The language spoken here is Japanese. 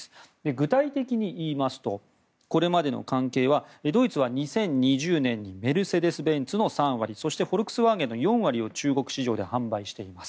具体的に言いますとこれまでの関係はドイツは２０２０年にメルセデス・ベンツの３割そしてフォルクスワーゲンの４割を中国市場で販売しています。